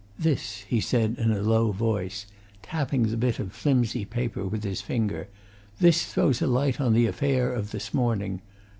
"This," he said in a low voice, tapping the bit of flimsy paper with his finger, "this throws a light on the affair of this morning.